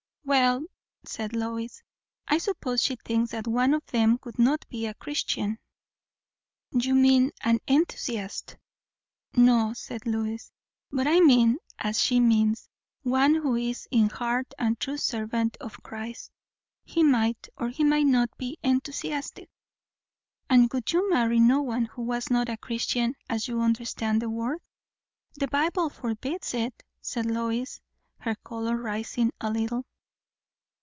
"Well," said Lois, "I suppose she thinks that one of them would not be a Christian." "You mean, an enthusiast." "No," said Lois; "but I mean, and she means, one who is in heart a true servant of Christ. He might, or he might not, be enthusiastic." "And would you marry no one who was not a Christian, as you understand the word?" "The Bible forbids it," said Lois, her colour rising a little.